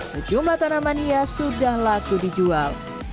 sejumlah tanaman hias sudah laku dijual